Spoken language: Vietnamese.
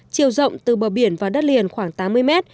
chiều rộng từ bờ biển và đất liền khoảng tám mươi m